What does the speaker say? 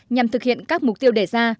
nhằm thực hiện các mục tiêu đề ra